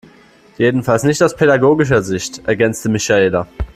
Jedenfalls nicht aus pädagogischer Sicht, ergänzte Michaela.